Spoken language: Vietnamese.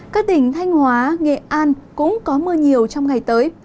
các tỉnh thanh hóa nghệ an cũng có mưa nhiều trong ngày tới